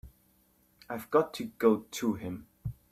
I've got to go to him.